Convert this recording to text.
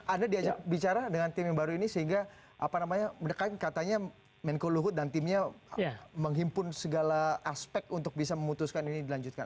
anda diajak bicara dengan tim yang baru ini sehingga apa namanya mendekat katanya menko luhut dan timnya menghimpun segala aspek untuk bisa memutuskan ini dilanjutkan